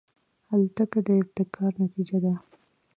الوتکه د ابتکار نتیجه ده.